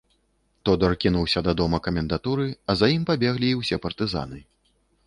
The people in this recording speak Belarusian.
Тодар кінуўся да дома камендатуры, а за ім пабеглі і ўсе партызаны.